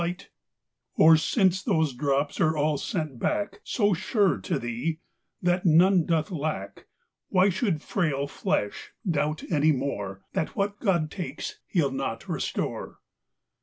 329 THE WATERFALL Or, since those drops are all sent back Su sure to thee that none doth lack, Why should frail flesh doubt any more That what God takes He'll not restore?